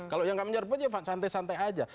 kalau yang gak menyerbut ya santai santai aja